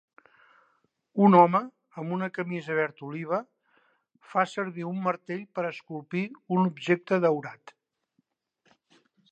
Un home amb una camisa verd oliva fa servir un martell per esculpir un objecte daurat.